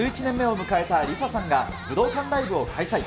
デビュー１１年目を迎えたＬｉＳＡさんが武道館ライブを開催。